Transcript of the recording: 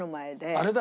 あれだ。